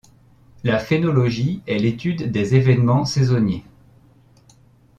La phénologie est l'étude des évènements saisonniers.